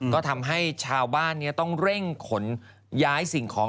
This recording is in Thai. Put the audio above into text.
ก็ทำให้ชาวบ้านต้องเร่งขนย้ายสิ่งของ